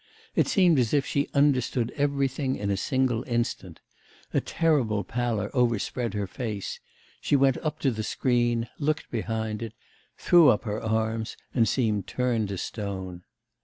It seemed as if she understood everything in a single instant. A terrible pallor overspread her face, she went up to the screen, looked behind it, threw up her arms, and seemed turned to stone.